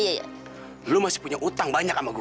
ada buat kamu